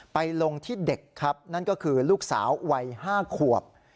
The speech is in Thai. ไปลงที่เด็กครับนั่นก็คือลูกสาววัย๕ขวบ